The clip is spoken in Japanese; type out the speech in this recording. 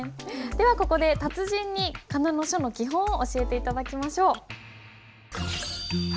ではここで達人に仮名の書の基本を教えて頂きましょう。